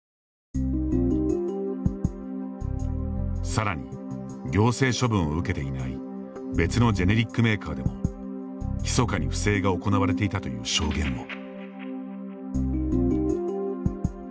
さらに行政処分を受けていない別のジェネリックメーカーでもひそかに不正が行われていたという証言も。